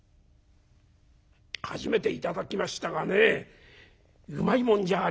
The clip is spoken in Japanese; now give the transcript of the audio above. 初めて頂きましたがねうまいもんじゃありませんか」。